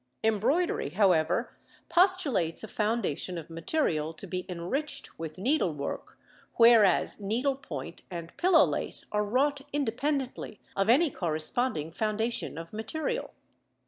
Embroidery, however, postulates a foundation of material to be enriched with needlework, whereas needlepoint and pillow lace are wrought independently of any corresponding foundation of material.